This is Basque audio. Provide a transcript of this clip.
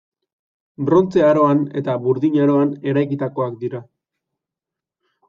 Brontze Aroan eta Burdin Aroan eraikitakoak dira.